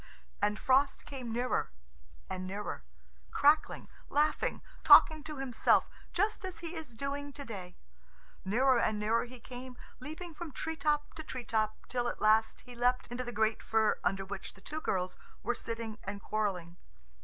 And Frost came nearer and nearer, crackling, laughing, talking to himself, just as he is doing to day. Nearer and nearer he came, leaping from tree top to tree top, till at last he leapt into the great fir under which the two girls were sitting and quarrelling.